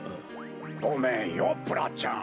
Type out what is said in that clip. ごめんよプラちゃん。